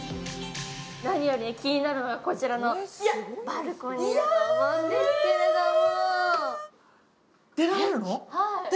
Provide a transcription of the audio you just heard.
何より気になるのは、こちらのバルコニーだと思うんですけども。